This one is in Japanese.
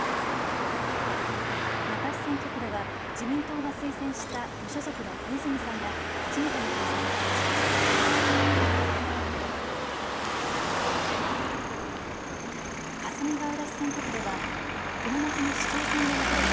那珂市選挙区では自民党が推薦した無所属の小泉さんが初めての当選を果たしました。